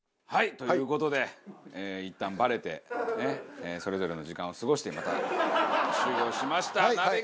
という事でいったんバレてそれぞれの時間を過ごしてまた集合しました。